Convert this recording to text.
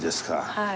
はい。